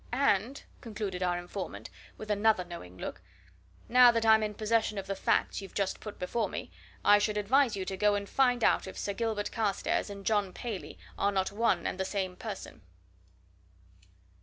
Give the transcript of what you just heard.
And," concluded our informant, with another knowing look, "now that I'm in possession of the facts you've just put before me, I should advise you to go and find out if Sir Gilbert Carstairs and John Paley are not one and the same person!"